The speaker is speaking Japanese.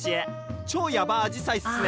超やばアジサイっすね。